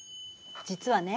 実はね